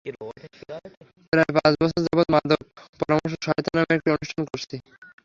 প্রায় পাঁচ বছর যাবৎ মাদক পরামর্শ সহায়তা নামে একটি অনুষ্ঠান করছি।